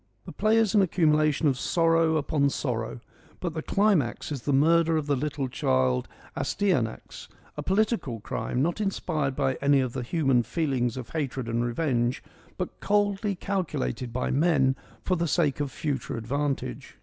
The play is an accumulation of sorrow upon sorrow, but the climax is the murder of the little child Astya nax, a political crime, not inspired by any of the human feelings of hatred and revenge, but coldly EURIPIDES 107 calculated by men for the sake of future advantage.